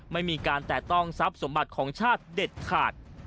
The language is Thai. ไม่มีการแตะต้องทรัพย์สมบัติของชาติเด็ดขาด